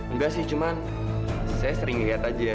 enggak sih cuma saya sering ngeliat aja